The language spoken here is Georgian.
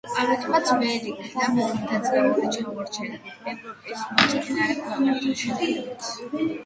ამიტომაც ვერ იქნა დაძლეული ჩამორჩენა ევროპის მოწინავე ქვეყნებთან შედარებით.